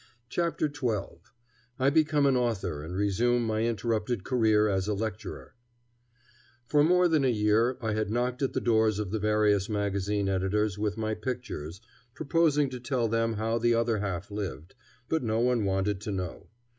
CHAPTER XII I BECOME AN AUTHOR AND RESUME MY INTERRUPTED CAREER AS A LECTURER For more than a year I had knocked at the doors of the various magazine editors with my pictures, proposing to tell them how the other half lived, but no one wanted to know.